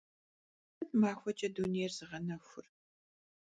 Sıt maxueç'e dunêyr zığenexur?